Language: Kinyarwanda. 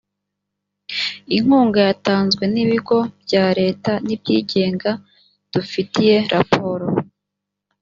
inkunga yatanzwe n ibigo bya leta n ibyigenga dufitiye raporo